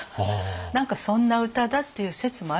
何かそんな歌だっていう説もあるんです。